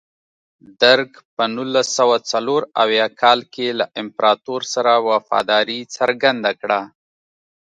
درګ په نولس سوه څلور اویا کال کې له امپراتور سره وفاداري څرګنده کړه.